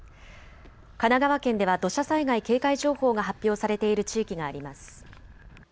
神奈川県では土砂災害警戒情報が発表されている地域があります。